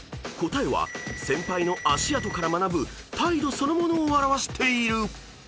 ［答えは先輩の足跡から学ぶ態度そのものを表している］